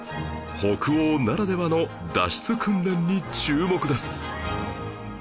北欧ならではの脱出訓練に注目です